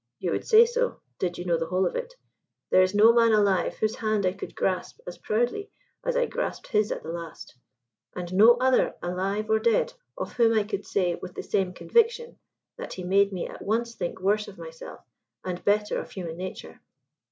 "You would say so, did you know the whole of it. There is no man alive whose hand I could grasp as proudly as I grasped his at the last: and no other, alive or dead, of whom I could say, with the same conviction, that he made me at once think worse of myself and better of human nature."